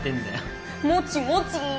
もちもち。